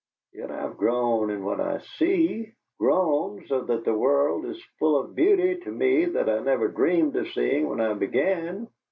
Yet I've grown in what I SEE grown so that the world is full of beauty to me that I never dreamed of seeing when I began.